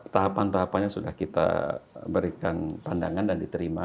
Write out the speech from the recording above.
tahapan tahapannya sudah kita berikan pandangan dan diterima